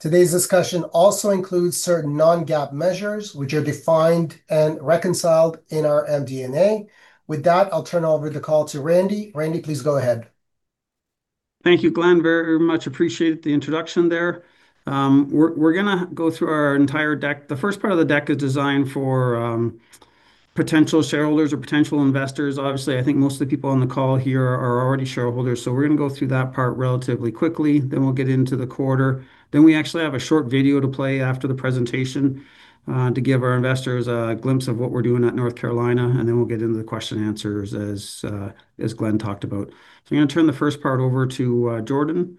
Today's discussion also includes certain non-GAAP measures, which are defined and reconciled in our MD&A. With that, I'll turn over the call to Randy. Randy, please go ahead. Thank you, Glen, very much appreciate the introduction there. We're going to go through our entire deck. The first part of the deck is designed for potential shareholders or potential investors. Obviously, I think most of the people on the call here are already shareholders. We're going to go through that part relatively quickly. We'll get into the quarter. We actually have a short video to play after the presentation, to give our investors a glimpse of what we're doing at North Carolina, and we'll get into the question answers as Glen talked about. I'm going to turn the first part over to Jordan.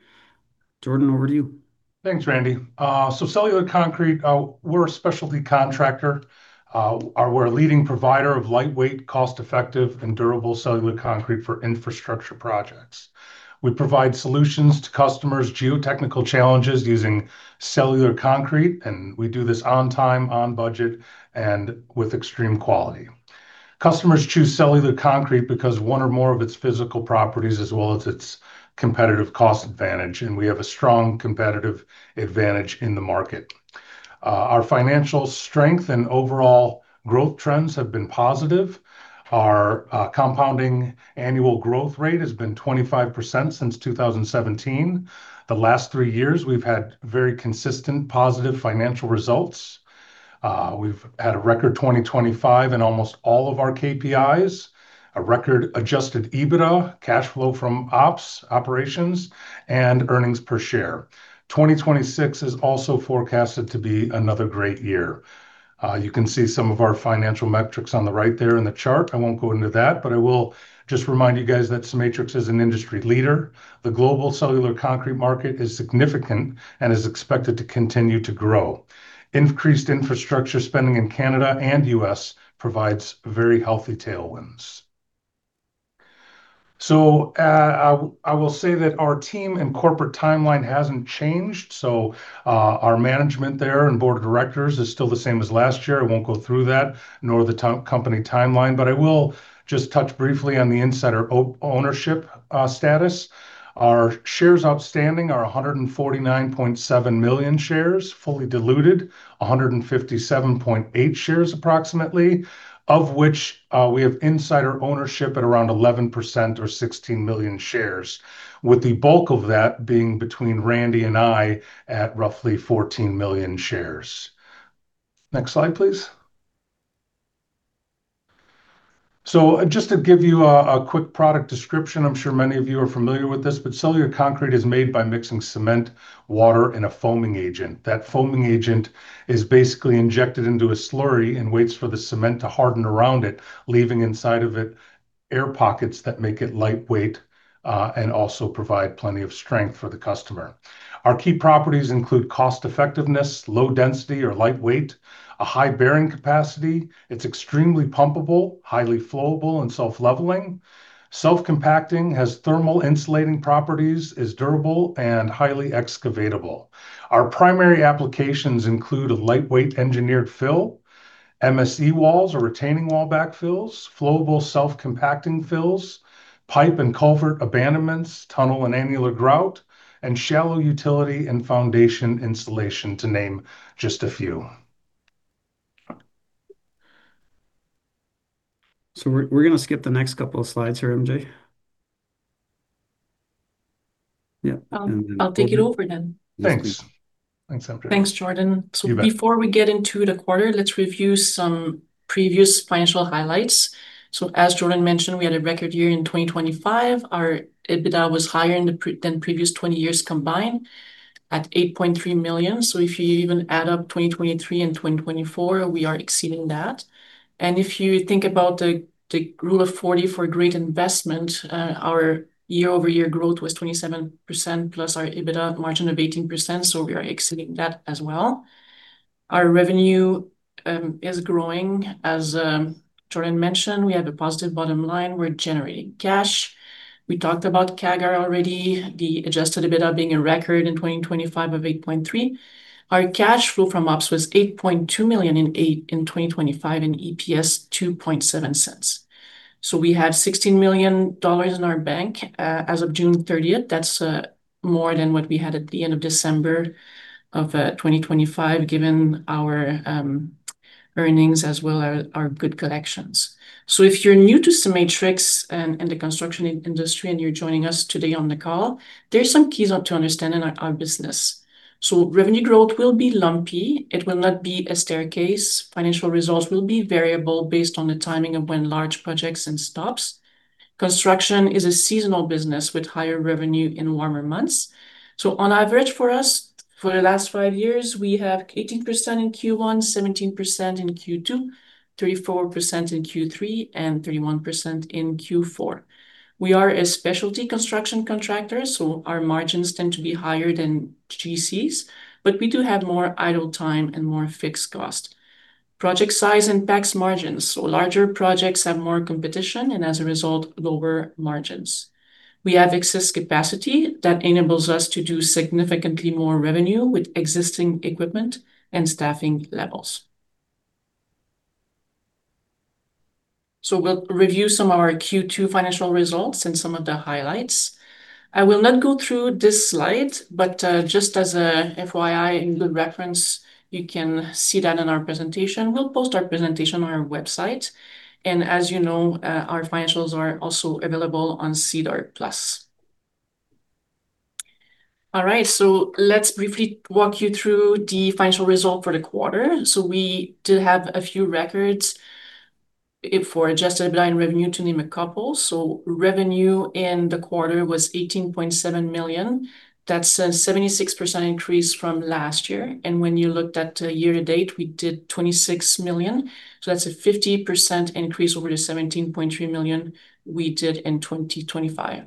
Jordan, over to you. Thanks, Randy. Cellular Concrete, we're a specialty contractor. We're a leading provider of lightweight, cost-effective, and durable cellular concrete for infrastructure projects. We provide solutions to customers' geotechnical challenges using cellular concrete, and we do this on time, on budget, and with extreme quality. Customers choose cellular concrete because one or more of its physical properties as well as its competitive cost advantage, and we have a strong competitive advantage in the market. Our financial strength and overall growth trends have been positive. Our compounding annual growth rate has been 25% since 2017. The last three years, we've had very consistent positive financial results. We've had a record 2025 in almost all of our KPIs, a record adjusted EBITDA, cash flow from ops, operations, and earnings per share. 2026 is also forecasted to be another great year. You can see some of our financial metrics on the right there in the chart. I won't go into that, but I will just remind you guys that CEMATRIX is an industry leader. The global cellular concrete market is significant and is expected to continue to grow. Increased infrastructure spending in Canada and U.S. provides very healthy tailwinds. I will say that our team and corporate timeline hasn't changed. Our management there and board of directors is still the same as last year. I won't go through that, nor the company timeline, but I will just touch briefly on the insider ownership status. Our shares outstanding are 149.7 million shares fully diluted, 157.8 million shares approximately. Of which we have insider ownership at around 11% or 16 million shares, with the bulk of that being between Randy and I at roughly 14 million shares. Next slide, please. Just to give you a quick product description, I'm sure many of you are familiar with this, but Cellular Concrete is made by mixing cement, water, and a foaming agent. That foaming agent is basically injected into a slurry and waits for the cement to harden around it, leaving inside of it air pockets that make it lightweight, and also provide plenty of strength for the customer. Our key properties include cost-effectiveness, low density or lightweight, a high bearing capacity. It's extremely pumpable, highly flowable and self-leveling. Self-compacting, has thermal insulating properties, is durable, and highly excavatable. Our primary applications include a lightweight engineered fill, MSE walls or retaining wall back fills, flowable self-compacting fills, pipe and culvert abandonments, tunnel and annular grout, and shallow utility and foundation installation, to name just a few. We're going to skip the next couple of slides here, MJ. Yeah. I'll take it over then. Thanks. Thanks, MJ. Thanks, Jordan. You bet. Before we get into the quarter, let's review some previous financial highlights. As Jordan mentioned, we had a record year in 2025. Our EBITDA was higher than the previous 20 years combined at 8.3 million. If you even add up 2023 and 2024, we are exceeding that. If you think about the rule of 40 for great investment, our year-over-year growth was 27% plus our EBITDA margin of 18%, so we are exceeding that as well. Our revenue is growing. As Jordan mentioned, we have a positive bottom line. We're generating cash. We talked about CAGR already, the adjusted EBITDA being a record in 2025 of 8.3 million. Our cash flow from ops was 8.2 million in 2025, and EPS 0.027. We have 16 million dollars in our bank, as of June 30th. That's more than what we had at the end of December 2025, given our earnings as well our good collections. If you're new to CEMATRIX and the construction industry and you're joining us today on the call, there are some keys to understanding our business. Revenue growth will be lumpy. It will not be a staircase. Financial results will be variable based on the timing of when large projects and stops. Construction is a seasonal business with higher revenue in warmer months. On average for us, for the last five years, we have 18% in Q1, 17% in Q2, 34% in Q3, and 31% in Q4. We are a specialty construction contractor, our margins tend to be higher than GCs, but we do have more idle time and more fixed cost. Project size impacts margins, so larger projects have more competition, and as a result, lower margins. We have excess capacity that enables us to do significantly more revenue with existing equipment and staffing levels. We'll review some of our Q2 financial results and some of the highlights. I will not go through this slide, but just as a FYI and good reference, you can see that in our presentation. We'll post our presentation on our website. As you know, our financials are also available on SEDAR+. Let's briefly walk you through the financial result for the quarter. We did have a few records for adjusted EBITDA and revenue, to name a couple. Revenue in the quarter was 18.7 million. That's a 76% increase from last year. When you looked at year to date, we did 26 million. That's a 50% increase over the 17.3 million we did in 2025.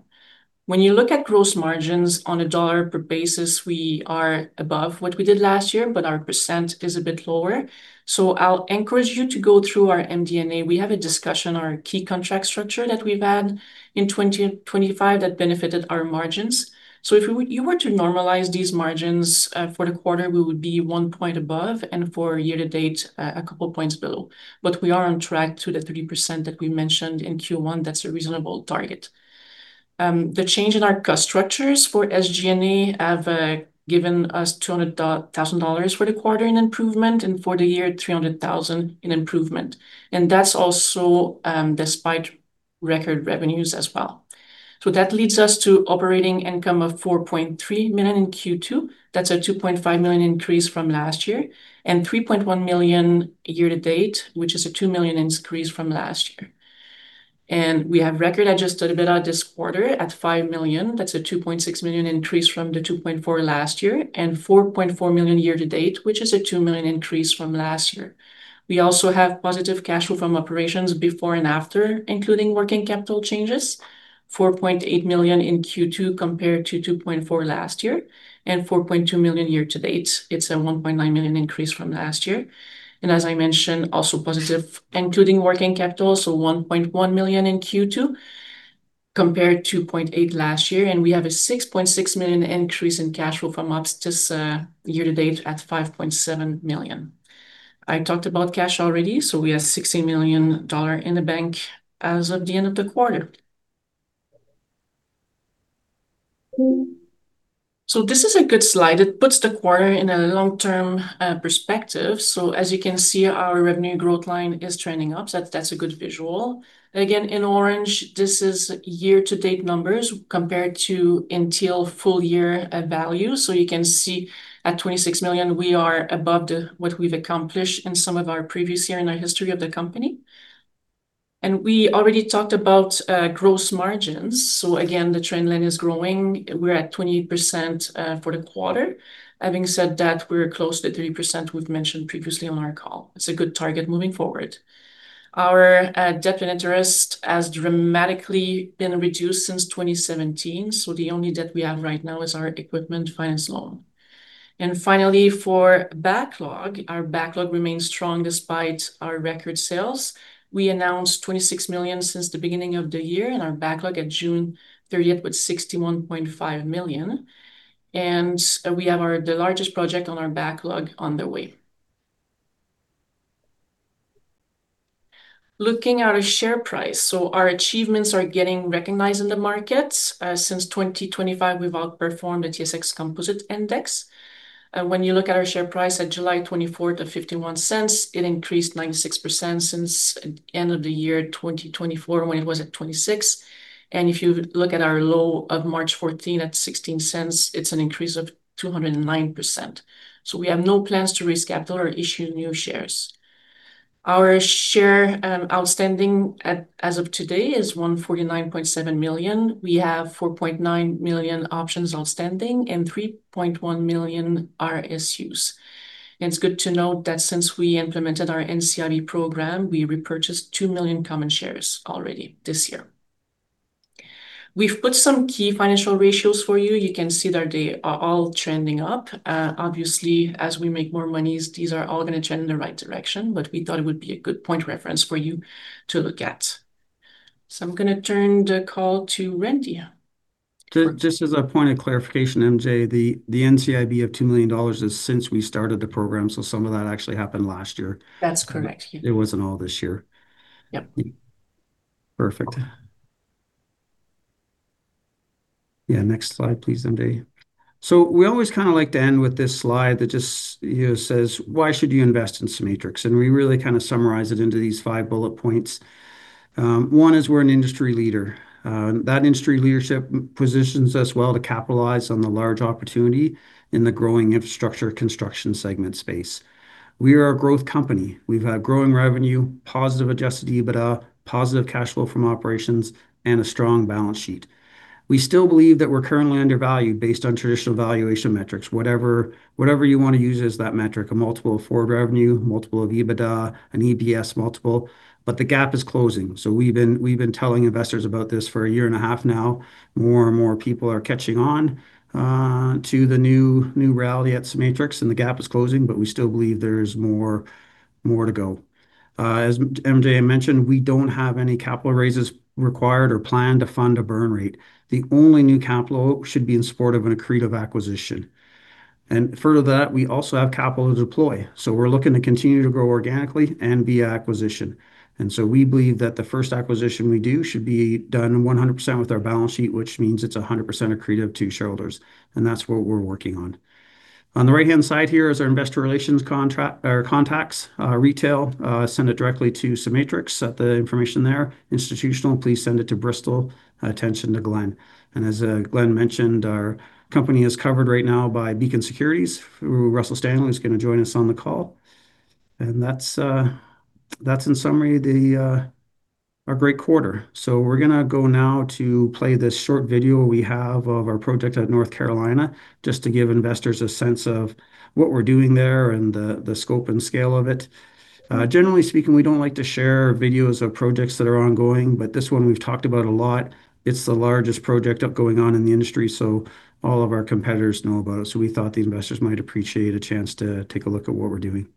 When you look at gross margins on a dollar per basis, we are above what we did last year, but our percent is a bit lower. I'll encourage you to go through our MD&A. We have a discussion on our key contract structure that we've had in 2025 that benefited our margins. If you were to normalize these margins, for the quarter, we would be one point above, and for year to date, a couple points below. We are on track to the 30% that we mentioned in Q1. That's a reasonable target. The change in our cost structures for SG&A have given us 200,000 dollars for the quarter in improvement, and for the year, 300,000 in improvement. That's also despite record revenues as well. That leads us to operating income of 4.3 million in Q2. That's a 2.5 million increase from last year, and 3.1 million year to date, which is a 2 million increase from last year. We have record adjusted EBITDA this quarter at 5 million. That's a 2.6 million increase from the 2.4 million last year, and 4.4 million year to date, which is a 2 million increase from last year. We also have positive cash flow from operations before and after, including working capital changes, 4.8 million in Q2 compared to 2.4 million last year, and 4.2 million year to date. It's a 1.9 million increase from last year. As I mentioned, also positive including working capital, 1.1 million in Q2 compared to 0.8 million last year. We have a 6.6 million increase in cash flow from ops this year to date at 5.7 million. I talked about cash already, so we have 16 million dollars in the bank as of the end of the quarter. This is a good slide. It puts the quarter in a long-term perspective. As you can see, our revenue growth line is trending up. That's a good visual. Again, in orange, this is year to date numbers compared to until full year value. You can see at 26 million, we are above what we've accomplished in some of our previous year in our history of the company. We already talked about gross margins. Again, the trend line is growing. We're at 20% for the quarter. Having said that, we're close to 3% we've mentioned previously on our call. It's a good target moving forward. Finally, for backlog, our backlog remains strong despite our record sales. We announced 26 million since the beginning of the year and our backlog at June 30th was 61.5 million. We have the largest project on our backlog on the way. Looking at our share price. Our achievements are getting recognized in the markets. Since 2025, we've outperformed the TSX Composite Index. When you look at our share price at July 24 to 0.51, it increased 96% since end of the year 2024 when it was at 0.26. If you look at our low of March 14 at 0.16, it's an increase of 209%. We have no plans to raise capital or issue new shares. Our share outstanding as of today is 149.7 million. We have 4.9 million options outstanding and 3.1 million RSUs. It's good to note that since we implemented our NCIB program, we repurchased 2 million common shares already this year. We've put some key financial ratios for you. You can see that they are all trending up. Obviously, as we make more monies, these are all going to trend in the right direction. We thought it would be a good point of reference for you to look at. I'm going to turn the call to Randy. Just as a point of clarification, MJ, the NCIB of 2 million is since we started the program, so some of that actually happened last year. That's correct. Yeah. It wasn't all this year. Yep. Perfect. Yeah. Next slide, please, MJ. We always like to end with this slide that just says, why should you invest in CEMATRIX? We really summarize it into these five bullet points. One is we're an industry leader. That industry leadership positions us well to capitalize on the large opportunity in the growing infrastructure construction segment space. We are a growth company. We've had growing revenue, positive adjusted EBITDA, positive cash flow from operations, and a strong balance sheet. We still believe that we're currently undervalued based on traditional valuation metrics. Whatever you want to use as that metric, a multiple of forward revenue, multiple of EBITDA, an EPS multiple, but the gap is closing. We've been telling investors about this for a year and a half now. More and more people are catching on. To the new rally at CEMATRIX and the gap is closing, but we still believe there's more to go. As MJ mentioned, we don't have any capital raises required or planned to fund a burn rate. The only new capital should be in support of an accretive acquisition. Further to that, we also have capital to deploy, so we're looking to continue to grow organically and via acquisition. We believe that the first acquisition we do should be done 100% with our balance sheet, which means it's 100% accretive to shareholders. That's what we're working on. On the right-hand side here is our investor relations contacts. Retail, send it directly to CEMATRIX at the information there. Institutional, please send it to Bristol, attention to Glen. As Glen mentioned, our company is covered right now by Beacon Securities, through Russell Stanley, who's going to join us on the call. That's in summary, our great quarter. We're going to go now to play this short video we have of our project at North Carolina, just to give investors a sense of what we're doing there and the scope and scale of it. Generally speaking, we don't like to share videos of projects that are ongoing, but this one we've talked about a lot. It's the largest project going on in the industry, so all of our competitors know about it. We thought the investors might appreciate a chance to take a look at what we're doing.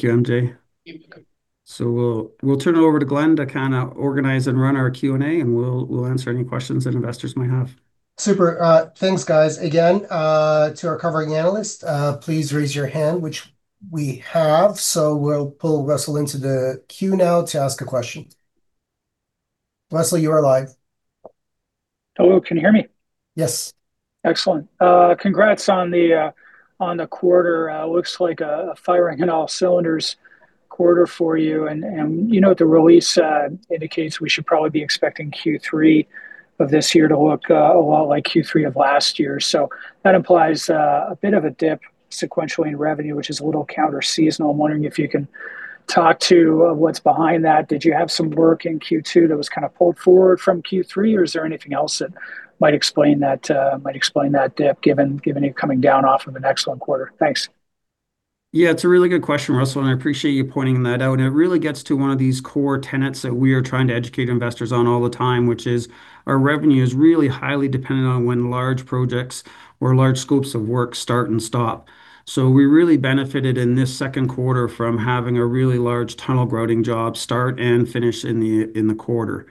Thank you, MJ. You're welcome. We'll turn it over to Glen to organize and run our Q&A, and we'll answer any questions that investors might have. Super. Thanks, guys. Again, to our covering analyst, please raise your hand, which we have. We'll pull Russell into the queue now to ask a question. Russell, you are live. Hello, can you hear me? Yes. Excellent. Congrats on the quarter. It looks like a firing on all cylinders quarter for you. The release indicates we should probably be expecting Q3 of this year to look a lot like Q3 of last year. That implies a bit of a dip sequentially in revenue, which is a little counter-seasonal. I'm wondering if you can talk to what's behind that. Did you have some work in Q2 that was pulled forward from Q3? Is there anything else that might explain that dip, given you're coming down off of an excellent quarter? Thanks. It's a really good question, Russell. I appreciate you pointing that out. It really gets to one of these core tenets that we are trying to educate investors on all the time, which is our revenue is really highly dependent on when large projects or large scopes of work start and stop. We really benefited in this second quarter from having a really large tunnel grouting job start and finish in the quarter.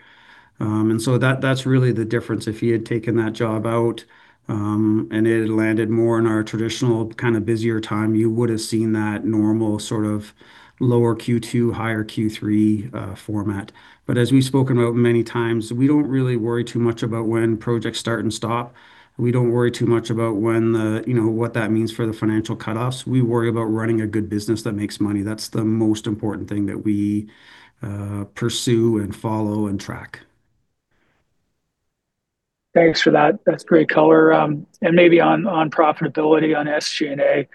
That's really the difference. If you had taken that job out, it had landed more in our traditional busier time, you would've seen that normal sort of lower Q2, higher Q3 format. As we've spoken about many times, we don't really worry too much about when projects start and stop. We don't worry too much about what that means for the financial cutoffs. We worry about running a good business that makes money. That's the most important thing that we pursue and follow and track. Thanks for that. That's great color. Maybe on profitability on SG&A,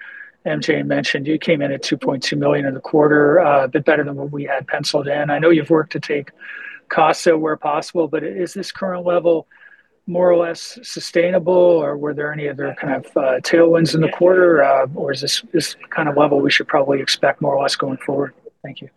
MJ mentioned you came in at 2.2 million in the quarter, a bit better than what we had penciled in. I know you've worked to take costs out where possible. Is this current level more or less sustainable? Were there any other kind of tailwinds in the quarter? Is this kind of level we should probably expect more or less going forward? Thank you.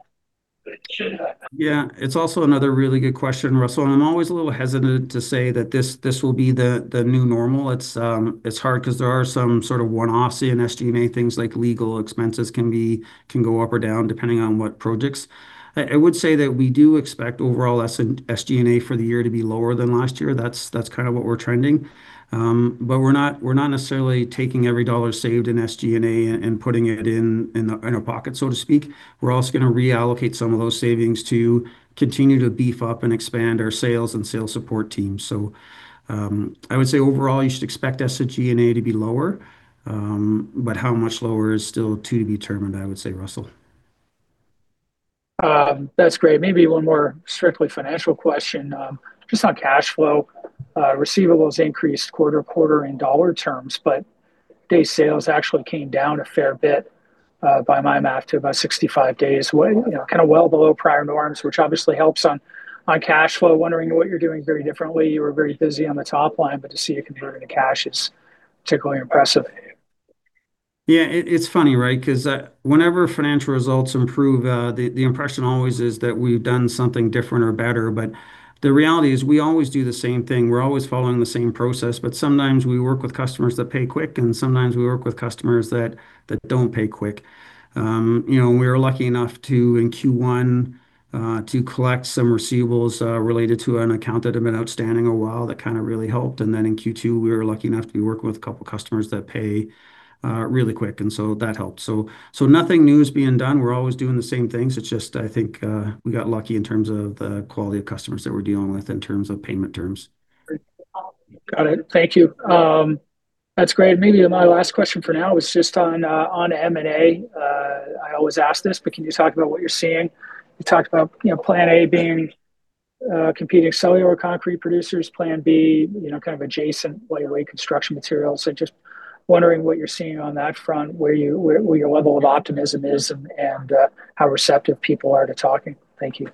It's also another really good question, Russell. I'm always a little hesitant to say that this will be the new normal. It's hard because there are some sort of one-offs in SG&A, things like legal expenses can go up or down depending on what projects. I would say that we do expect overall SG&A for the year to be lower than last year. That's kind of what we're trending. We're not necessarily taking every dollar saved in SG&A and putting it in our pocket, so to speak. We're also going to reallocate some of those savings to continue to beef up and expand our sales and sales support team. I would say overall, you should expect SG&A to be lower. How much lower is still to be determined, I would say, Russell. That's great. Maybe one more strictly financial question. Just on cash flow. Receivables increased quarter to quarter in dollar terms, day sales actually came down a fair bit, by my math, to about 65 days. Well below prior norms, which obviously helps on cash flow. Wondering what you're doing very differently. You were very busy on the top line, to see it converting to cash is particularly impressive. It's funny, right? Whenever financial results improve, the impression always is that we've done something different or better, the reality is we always do the same thing. We're always following the same process, sometimes we work with customers that pay quick, sometimes we work with customers that don't pay quick. We were lucky enough to, in Q1, collect some receivables related to an account that had been outstanding a while. That really helped. In Q2, we were lucky enough to be working with a couple of customers that pay really quick, that helped. Nothing new is being done. We're always doing the same things. It's just, I think, we got lucky in terms of the quality of customers that we're dealing with in terms of payment terms. Got it. Thank you. That's great. Maybe my last question for now is just on M&A. I always ask this, can you talk about what you're seeing? You talked about Plan A being competing cellular concrete producers, Plan B, kind of adjacent lightweight construction materials. Just wondering what you're seeing on that front, where your level of optimism is and how receptive people are to talking. Thank you.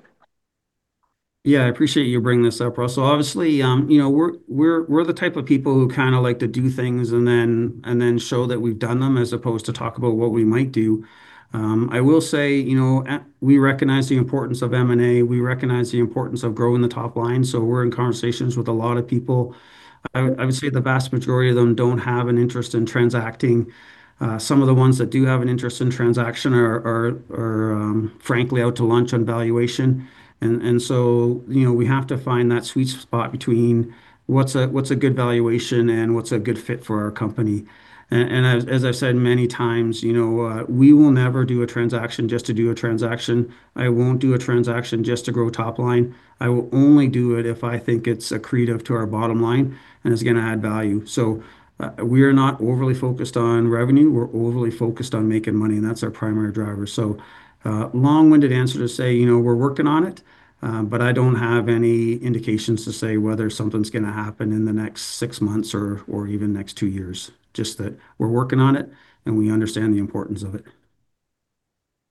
Yeah, I appreciate you bringing this up, Russell. Obviously, we're the type of people who like to do things and then show that we've done them as opposed to talk about what we might do. I will say, we recognize the importance of M&A. We recognize the importance of growing the top line. We're in conversations with a lot of people. I would say the vast majority of them don't have an interest in transacting. Some of the ones that do have an interest in transaction are, frankly, out to lunch on valuation. We have to find that sweet spot between what's a good valuation and what's a good fit for our company. As I've said many times, we will never do a transaction just to do a transaction. I won't do a transaction just to grow top line. I will only do it if I think it's accretive to our bottom line and is going to add value. We are not overly focused on revenue. We're overly focused on making money, and that's our primary driver. Long-winded answer to say we're working on it, but I don't have any indications to say whether something's going to happen in the next six months or even next two years. Just that we're working on it, and we understand the importance of it.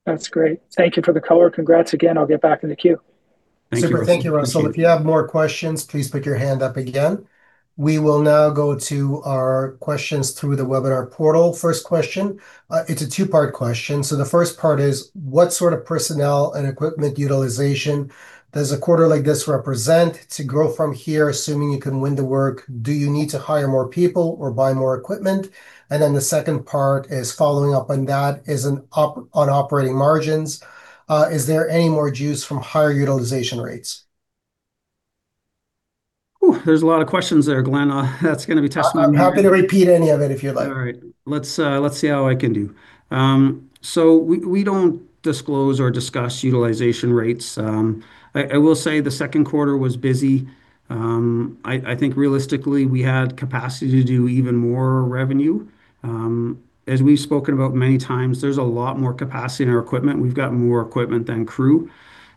That's great. Thank you for the color. Congrats again. I'll get back in the queue. Thank you, Russell. Appreciate it. Super. Thank you, Russell. If you have more questions, please put your hand up again. We will now go to our questions through the webinar portal. First question. It's a two-part question. The first part is, what sort of personnel and equipment utilization does a quarter like this represent to grow from here? Assuming you can win the work, do you need to hire more people or buy more equipment? The second part is following up on that is on operating margins. Is there any more juice from higher utilization rates? There's a lot of questions there, Glen. That's going to be testing me. I'm happy to repeat any of it if you'd like. All right. Let's see how I can do. We don't disclose or discuss utilization rates. I will say the second quarter was busy. I think realistically, we had capacity to do even more revenue. As we've spoken about many times, there's a lot more capacity in our equipment. We've got more equipment than crew.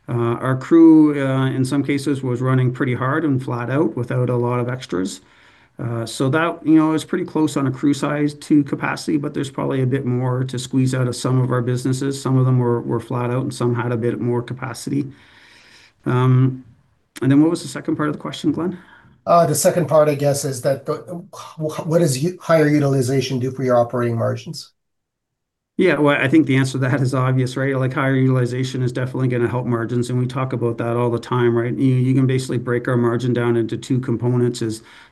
Our crew, in some cases, was running pretty hard and flat out without a lot of extras. That was pretty close on a crew size to capacity, but there's probably a bit more to squeeze out of some of our businesses. Some of them were flat out, and some had a bit more capacity. What was the second part of the question, Glen? The second part, I guess, is what does higher utilization do for your operating margins? Yeah. Well, I think the answer to that is obvious, right? Higher utilization is definitely going to help margins. We talk about that all the time, right? You can basically break our margin down into two components.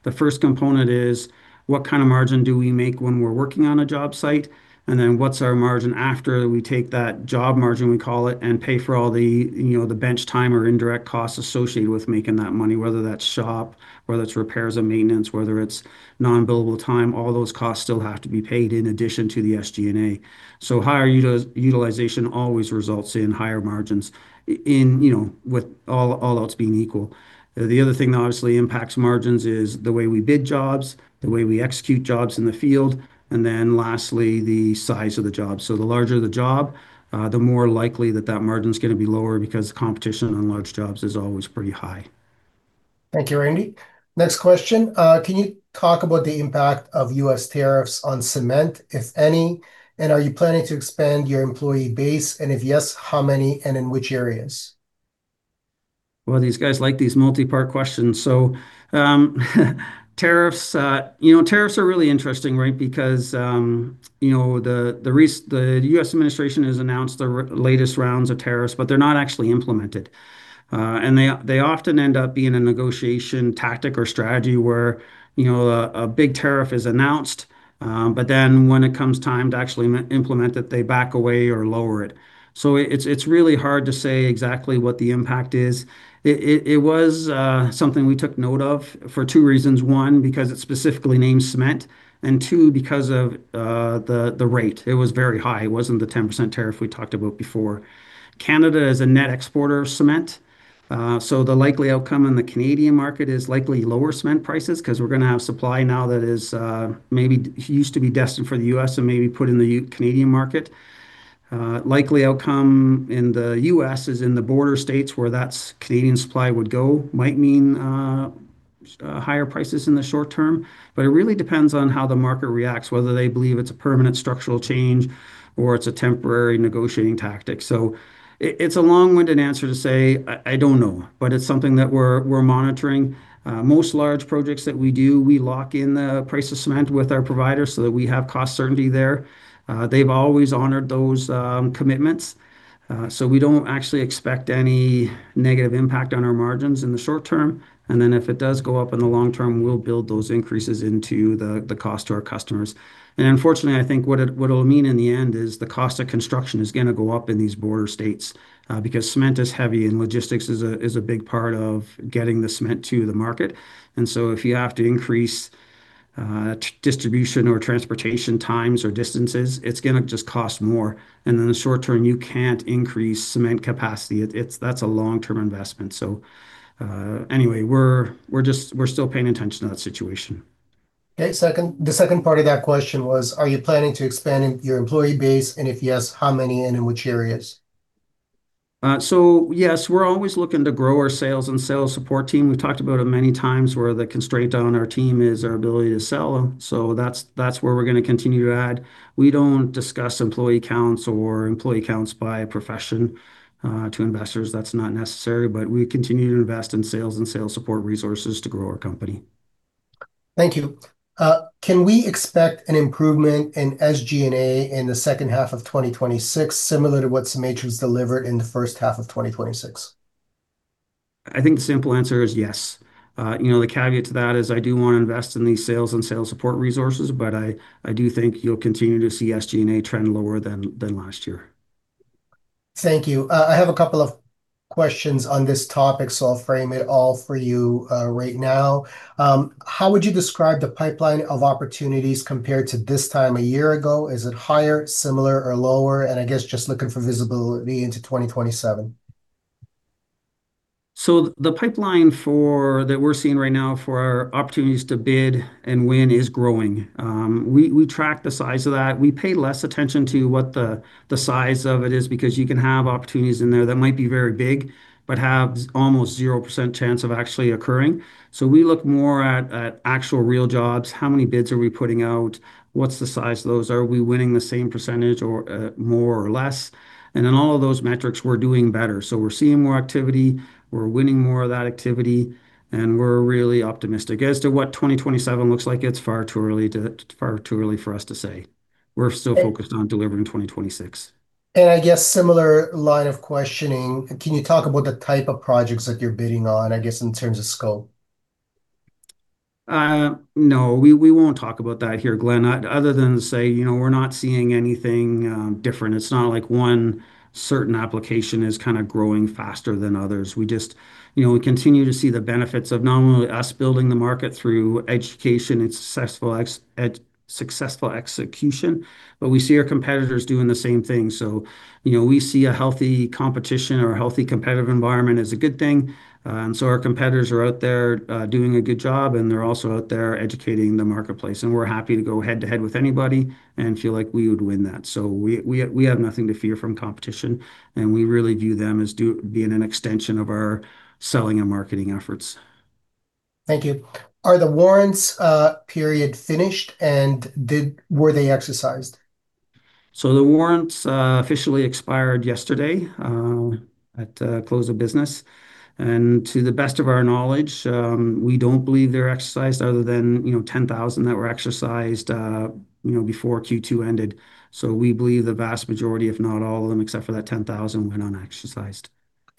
The first component is what kind of margin do we make when we're working on a job site, and then what's our margin after we take that job margin, we call it, and pay for all the bench time or indirect costs associated with making that money, whether that's shop, whether it's repairs and maintenance, whether it's non-billable time. All those costs still have to be paid in addition to the SG&A. Higher utilization always results in higher margins, with all else being equal. The other thing that obviously impacts margins is the way we bid jobs, the way we execute jobs in the field, and then lastly, the size of the job. The larger the job, the more likely that that margin's going to be lower because competition on large jobs is always pretty high. Thank you, Randy. Next question. Can you talk about the impact of U.S. tariffs on cement, if any, and are you planning to expand your employee base, and if yes, how many and in which areas? Boy, these guys like these multi-part questions. Tariffs are really interesting, right? Because the U.S. administration has announced their latest rounds of tariffs, but they're not actually implemented. They often end up being a negotiation tactic or strategy where a big tariff is announced, but then when it comes time to actually implement it, they back away or lower it. It's really hard to say exactly what the impact is. It was something we took note of for two reasons. One, because it specifically named cement, and two, because of the rate. It was very high. It wasn't the 10% tariff we talked about before. Canada is a net exporter of cement. The likely outcome in the Canadian market is likely lower cement prices because we're going to have supply now that maybe used to be destined for the U.S. and may be put in the Canadian market. Likely outcome in the U.S. is in the border states where that Canadian supply would go, might mean higher prices in the short term, but it really depends on how the market reacts, whether they believe it's a permanent structural change or it's a temporary negotiating tactic. It's a long-winded answer to say, "I don't know," but it's something that we're monitoring. Most large projects that we do, we lock in the price of cement with our provider so that we have cost certainty there. They've always honored those commitments, so we don't actually expect any negative impact on our margins in the short term. If it does go up in the long term, we'll build those increases into the cost to our customers. Unfortunately, I think what it'll mean in the end is the cost of construction is going to go up in these border states, because cement is heavy and logistics is a big part of getting the cement to the market. If you have to increase distribution or transportation times or distances, it's going to just cost more. In the short term, you can't increase cement capacity. That's a long-term investment. Anyway, we're still paying attention to that situation. Okay. The second part of that question was, are you planning to expand your employee base? If yes, how many and in which areas? Yes, we're always looking to grow our sales and sales support team. We've talked about it many times where the constraint on our team is our ability to sell. That's where we're going to continue to add. We don't discuss employee counts or employee counts by profession to investors. That's not necessary, but we continue to invest in sales and sales support resources to grow our company. Thank you. Can we expect an improvement in SG&A in the second half of 2026, similar to what CEMATRIX delivered in the first half of 2026? I think the simple answer is yes. The caveat to that is I do want to invest in these sales and sales support resources, I do think you'll continue to see SG&A trend lower than last year. Thank you. I have a couple of questions on this topic, I'll frame it all for you right now. How would you describe the pipeline of opportunities compared to this time a year ago? Is it higher, similar, or lower? I guess just looking for visibility into 2027. The pipeline that we're seeing right now for our opportunities to bid and win is growing. We track the size of that. We pay less attention to what the size of it is, because you can have opportunities in there that might be very big, but have almost 0% chance of actually occurring. We look more at actual real jobs. How many bids are we putting out? What's the size of those? Are we winning the same percentage or more or less? In all of those metrics, we're doing better. We're seeing more activity, we're winning more of that activity, and we're really optimistic. As to what 2027 looks like, it's far too early for us to say. We're still focused on delivering 2026. I guess similar line of questioning, can you talk about the type of projects that you're bidding on, I guess, in terms of scope? No. We won't talk about that here, Glen. Other than say, we're not seeing anything different. It's not like one certain application is kind of growing faster than others. We continue to see the benefits of not only us building the market through education and successful execution, but we see our competitors doing the same thing. We see a healthy competition or a healthy competitive environment as a good thing. Our competitors are out there doing a good job, and they're also out there educating the marketplace, and we're happy to go head-to-head with anybody and feel like we would win that. We have nothing to fear from competition, and we really view them as being an extension of our selling and marketing efforts. Thank you. Are the warrants period finished and were they exercised? The warrants officially expired yesterday at close of business. To the best of our knowledge, we don't believe they're exercised other than 10,000 that were exercised before Q2 ended. We believe the vast majority, if not all of them, except for that 10,000, went unexercised.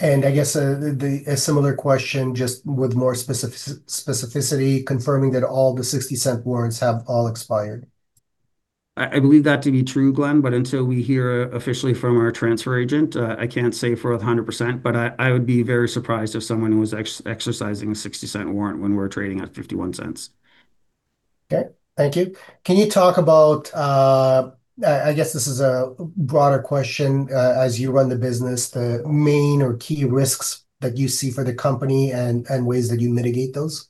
I guess a similar question just with more specificity, confirming that all the 0.60 warrants have expired. I believe that to be true, Glen, but until we hear officially from our transfer agent, I can't say for 100%, but I would be very surprised if someone was exercising a 0.60 warrant when we're trading at 0.51. Okay. Thank you. Can you talk about, I guess this is a broader question, as you run the business, the main or key risks that you see for the company and ways that you mitigate those?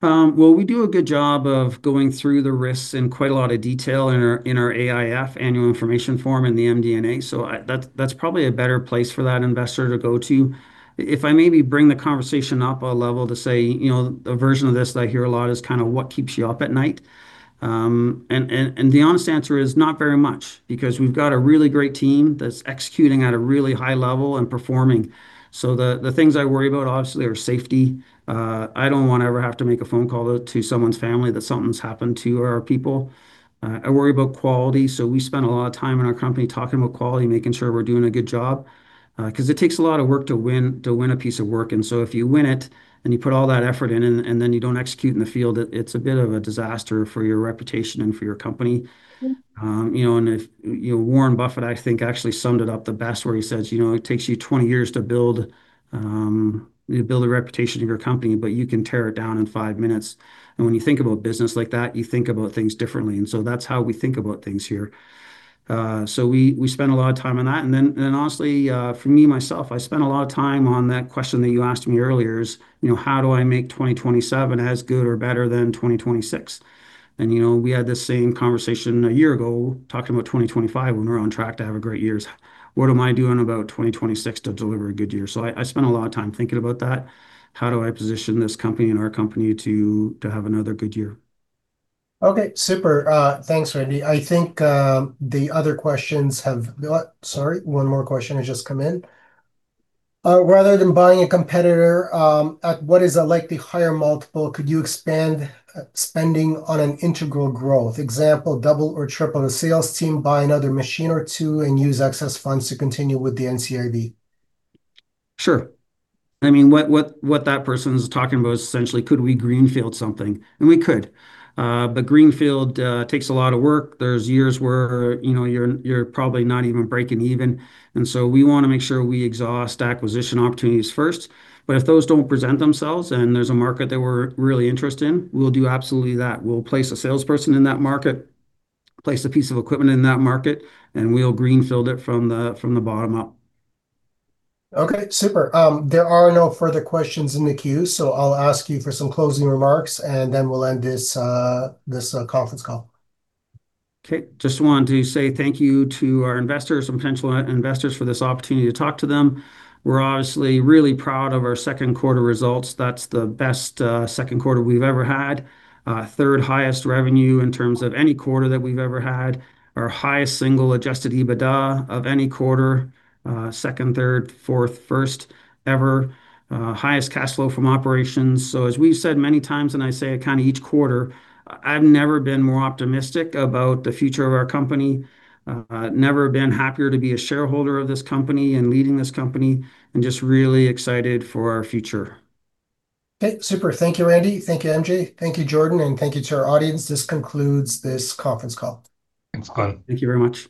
We do a good job of going through the risks in quite a lot of detail in our AIF, annual information form, and the MD&A, that's probably a better place for that investor to go to. If I maybe bring the conversation up a level to say, a version of this that I hear a lot is kind of what keeps you up at night. The honest answer is not very much, because we've got a really great team that's executing at a really high level and performing. The things I worry about, obviously, are safety. I don't want to ever have to make a phone call to someone's family that something's happened to our people. I worry about quality, we spend a lot of time in our company talking about quality, making sure we're doing a good job. It takes a lot of work to win a piece of work, if you win it and you put all that effort in and you don't execute in the field, it's a bit of a disaster for your reputation and for your company. Yeah. Warren Buffett, I think, actually summed it up the best where he says, "It takes you 20 years to build a reputation in your company, you can tear it down in 5 minutes." When you think about business like that, you think about things differently, that's how we think about things here. We spend a lot of time on that. Honestly, for me, myself, I spent a lot of time on that question that you asked me earlier is, how do I make 2027 as good or better than 2026? We had this same conversation a year ago talking about 2025 when we're on track to have a great year. What am I doing about 2026 to deliver a good year? I spent a lot of time thinking about that. How do I position this company and our company to have another good year? Okay, super. Thanks, Randy. Sorry, one more question has just come in. Rather than buying a competitor, at what is a likely higher multiple could you expand spending on an integral growth? Example, double or triple a sales team, buy another machine or two, and use excess funds to continue with the NCIB. Sure. What that person's talking about is essentially could we greenfield something? We could. Greenfield takes a lot of work. There's years where you're probably not even breaking even. We want to make sure we exhaust acquisition opportunities first. If those don't present themselves and there's a market that we're really interested in, we'll do absolutely that. We'll place a salesperson in that market, place a piece of equipment in that market, we'll greenfield it from the bottom up. Okay. Super. There are no further questions in the queue, I'll ask you for some closing remarks, we'll end this conference call. Okay. Just wanted to say thank you to our investors and potential investors for this opportunity to talk to them. We're obviously really proud of our second quarter results. That's the best second quarter we've ever had. Third highest revenue in terms of any quarter that we've ever had. Our highest single adjusted EBITDA of any quarter. Second, third, fourth, first ever highest cash flow from operations. As we've said many times, I say it kind of each quarter, I've never been more optimistic about the future of our company, never been happier to be a shareholder of this company leading this company, just really excited for our future. Okay, super. Thank you, Randy. Thank you, MJ. Thank you, Jordan, and thank you to our audience. This concludes this conference call. Thanks, Glen. Thank you very much.